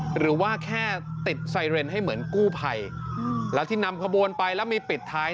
หรือว่าแค่ติดไซเรนให้เหมือนกู้ภัยแล้วที่นำขบวนไปแล้วมีปิดท้าย